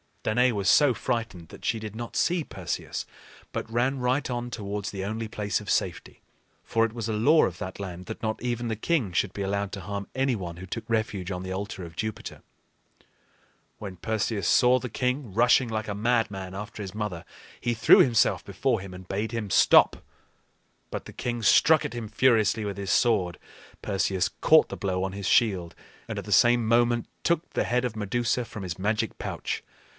Danaë was so frightened that she did not see Perseus, but ran right on towards the only place of safety. For it was a law of that land that not even the king should be allowed to harm any one who took refuge on the altar of Jupiter. When Perseus saw the king rushing like a madman after his mother, he threw himself before him and bade him stop. But the king struck at him furiously with his sword. Perseus caught the blow on his shield, and at the same moment took the head of Medusa from his magic pouch.